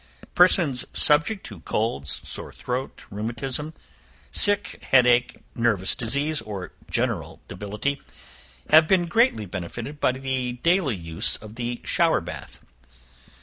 Persons subject to colds, sore throat, rheumatism, sick head ache, nervous disease, or general debility, have been greatly benefited by the daily use of the shower bath.